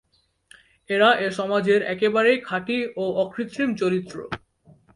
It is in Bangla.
এরা এ সমাজের একেবারেই খাঁটি ও অকৃত্রিম চরিত্র।